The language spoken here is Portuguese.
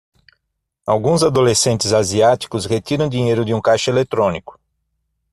Alguns adolescentes asiáticos retiram dinheiro de um caixa eletrônico.